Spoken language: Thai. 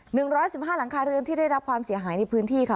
หนึ่งร้อยสิบห้าหลังคาเรือนที่ได้รับความเสียหายในพื้นที่ค่ะ